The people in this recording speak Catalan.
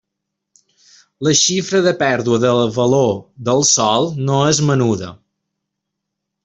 La xifra de pèrdua del valor del sòl no és menuda.